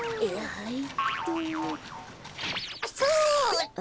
はい！